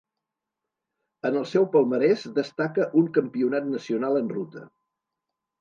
En el seu palmarès destaca un campionat nacional en ruta.